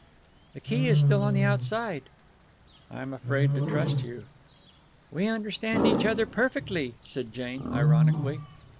"The key is still on the outside." "I'm afraid to trust you." "We understand each other perfectly," said Jane, ironically.